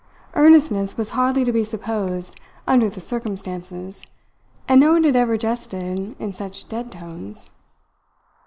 Earnestness was hardly to be supposed under the circumstances, and no one had ever jested in such dead tones.